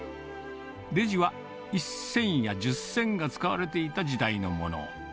レジは１銭や１０銭が使われていた時代のもの。